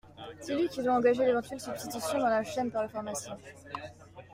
C’est lui qui doit engager l’éventuelle substitution dans la chaîne par le pharmacien.